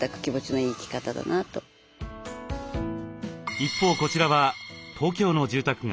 一方こちらは東京の住宅街。